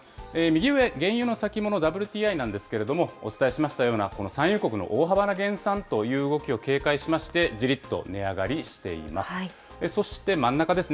右上、原油の先物ＷＴＩなんですけれども、お伝えしましたようなこの産油国の大幅な減産という動きを警戒しまして、じりっと値上がりしています。